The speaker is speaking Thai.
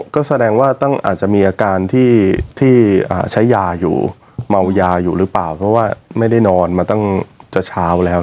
ก็แสดงว่าอาจจะมีอาการที่ใช้ยาอยู่เมายาอยู่หรือเปล่าเพราะว่าไม่ได้นอนมาตั้งจะเช้าแล้ว